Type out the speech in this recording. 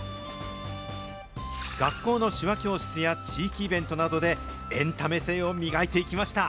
学校の手話教室や地域イベントなどで、エンタメ性を磨いていきました。